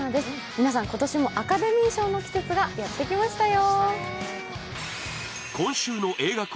皆さん、今年もアカデミー賞の季節がやってきましたよ。